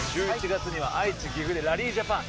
１１月には愛知岐阜でラリー・ジャパン。